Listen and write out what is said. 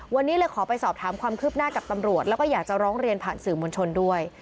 วันนี้เลยขอไปสอบถามความคืบหน้ากับตำรวจแล้วก็อยากจะร้องเรียนผ่านสื่อมวลชนด้วย